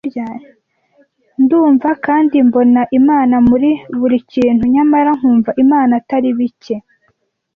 Ndumva kandi mbona Imana muri buri kintu, nyamara nkumva Imana atari bike,